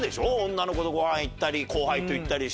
女の子とごはん行ったり後輩と行ったりして。